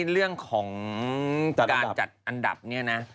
เรื่องของการจัดอันดับเนี่ยนะ